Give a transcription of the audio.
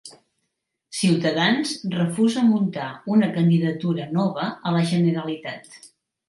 Ciutadans refusa muntar una candidatura nova a la Generalitat